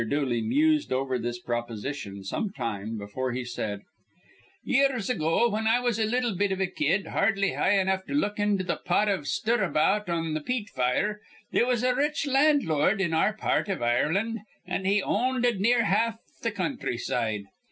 Dooley mused over this proposition some time before he said: "Years ago, whin I was a little bit iv a kid, hardly high enough to look into th' pot iv stirabout on th' peat fire, they was a rich landlord in our part iv Ireland; an' he ownded near half th' counthryside.